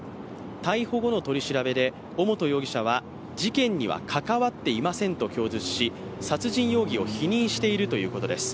逮捕後の取り調べで尾本容疑者は事件には関わっていませんと供述し殺人容疑を否認しているということです。